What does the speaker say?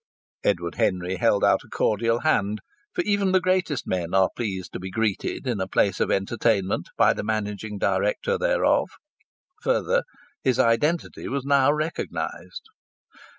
Edward Henry held out a cordial hand, for even the greatest men are pleased to be greeted in a place of entertainment by the managing director thereof. Further, his identity was now recognized.